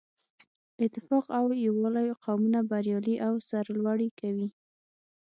اتفاق او یووالی قومونه بریالي او سرلوړي کوي.